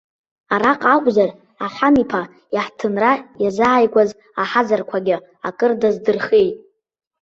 Араҟа акәзар, ахан-иԥа иаҳҭынра иазааигәаз аҳазарқәагьы акыр даздырхиеит.